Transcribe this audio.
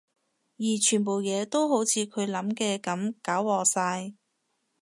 而全部嘢都好似佢諗嘅噉搞禍晒